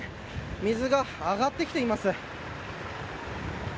水が上がってきています。